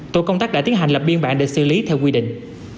tổ công tác đã tiến hành lập biên bản để xử lý theo quy định